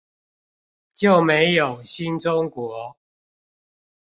就沒有新中國